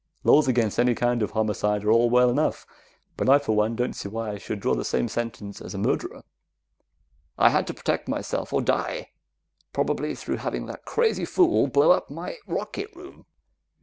"Laws against any kind of homicide are all well enough, but I for one don't see why I should draw the same sentence as a murderer. I had to protect myself or die probably through having that crazy fool blow up my rocket room."